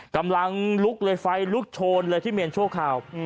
กำลังลุกเลยไฟลุกโชนเลยที่เมนชั่วคราว